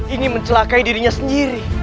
ini mencelakai dirinya sendiri